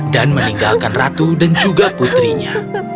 dan meninggalkan ratu dan juga putrinya